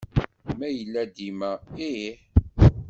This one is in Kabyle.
Ma yella dima, ih.